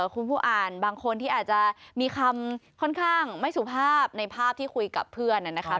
คุณผู้อ่านบางคนที่อาจจะมีคำค่อนข้างไม่สุภาพในภาพที่คุยกับเพื่อนนะครับ